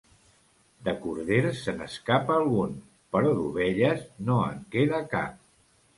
De corders se n'escapa algun, però d'ovelles no en queda cap.